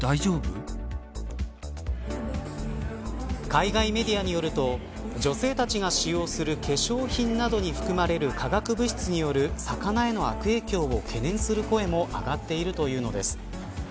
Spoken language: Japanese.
海外メディアによると女性たちが使用する化粧品などに含まれる化学物質による魚への悪影響を懸念する声も上がっているというのです。